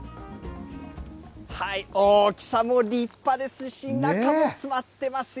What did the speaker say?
大きさも立派ですし、中も詰まってますよ。